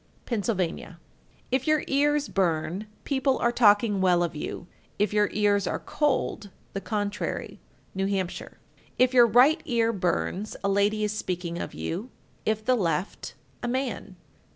Pennsylvania. 1345. If your ears burn, people are talking well of you; if your ears are cold, the contrary. New Hampshire. 1346. If your right ear burns, a lady is speaking of you; if the left, a man.